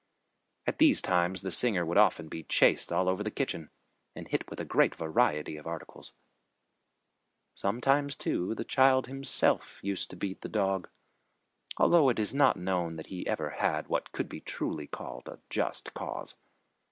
At these times the singer would often be chased all over the kitchen and hit with a great variety of articles. Sometimes, too, the child himself used to beat the dog, although it is not known that he ever had what truly could be called a just cause.